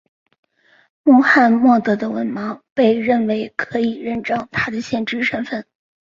穆罕默德的文盲被认为可以认证他的先知身份。